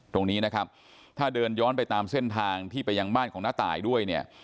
ตรงนี้นะครับถ้าเดินย้อนไปตามเส้นทางที่ไปยังบ้านของน้าตายด้วยเนี่ย